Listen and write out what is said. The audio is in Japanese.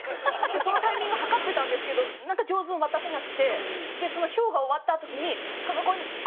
そのタイミング計ってたんですけどなんか上手に渡せなくてそのショーが終わった時にその子にこうやってお金グワーッて渡したら